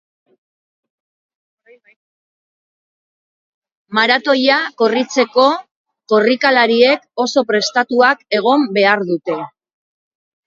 Maratoia korritzeko, korrikalariek oso prestatuak egon behar dute.